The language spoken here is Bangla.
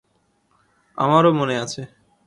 আমারও মনে আছে।